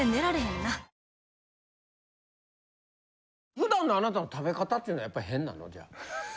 普段のあなたの食べ方っていうのはやっぱり変なの？